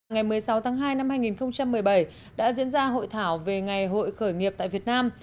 ngày một mươi sáu tháng hai năm hai nghìn một mươi bảy đã diễn ra hội thảo về ngày hội khởi nghiệp tại việt nam